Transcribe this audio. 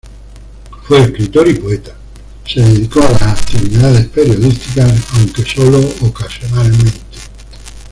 Fue escritor y poeta; se dedicó a las actividades periodísticas, aunque sólo ocasionalmente.